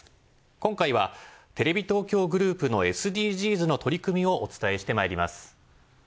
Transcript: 今回はテレビ東京グループのＳＤＧｓの取り組みをお伝えしてまいります。